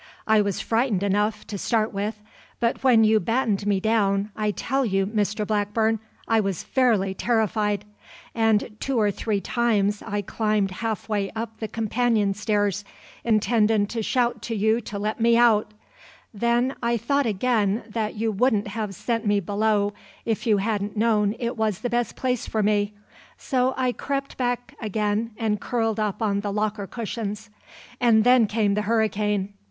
I was frightened enough, to start with, but when you battened me down I tell you, Mr Blackburn, I was fairly terrified, and two or three times I climbed half way up the companion stairs, intendin' to shout to you to let me out; then I thought again that you wouldn't have sent me below if you hadn't known it was the best place for me, so I crept back again and curled up on the locker cushions. And then came the hurricane.